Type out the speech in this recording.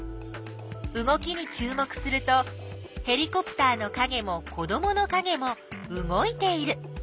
動きにちゅう目するとヘリコプターのかげも子どものかげも動いている。